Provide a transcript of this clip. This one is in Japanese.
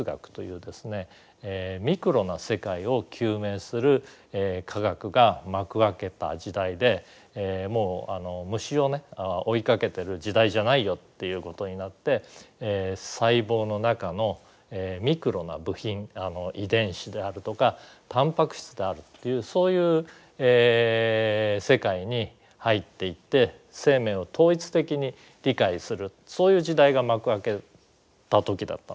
ミクロな世界を究明する科学が幕開けた時代でもう虫をね追いかけてる時代じゃないよっていうことになって細胞の中のミクロな部品遺伝子であるとかタンパク質であるっていうそういう世界に入っていって生命を統一的に理解するそういう時代が幕開けた時だったんですね。